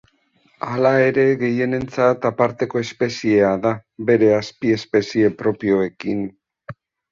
Hala ere gehienentzat aparteko espeziea da, bere azpiespezie propioekin.